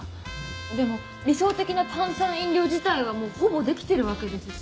でも理想的な炭酸飲料自体はほぼできてるわけですし。